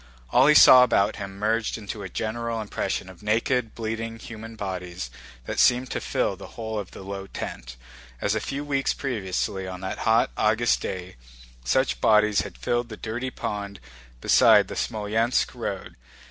All he saw about him merged into a general impression of naked, bleeding human bodies that seemed to fill the whole of the low tent, as a few weeks previously, on that hot August day, such bodies had filled the dirty pond beside the Smolénsk road.